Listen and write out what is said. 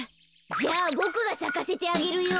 じゃあボクがさかせてあげるよ。